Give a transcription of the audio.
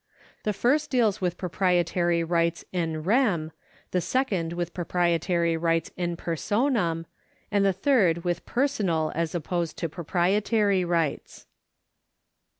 The first deals with proprietary rights in rem, the second with propnetary rights in personam, and the third with personal as opposed to proprietary rights.